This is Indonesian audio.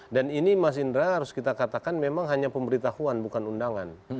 dan ini mas indra harus kita katakan memang hanya pemberitahuan bukan undangan